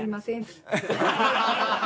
ハハハ！